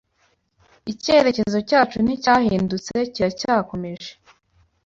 Icyerekezo cyacu nticyahindutse kiracyakomeje